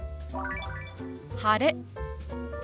「晴れ」。